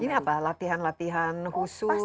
ini apa latihan latihan khusus